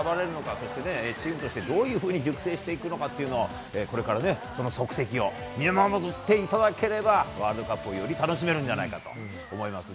そしてチームとしてどういうふうに熟成していくかこれから、その足跡を見守っていただければワールドカップをより楽しめるんじゃないかと思います。